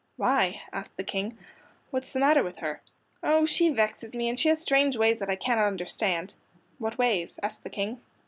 "Why?" asked the King. "What is the matter with her?" "Oh, she vexes me, and she has strange ways that I cannot understand." "What ways?" asked the King.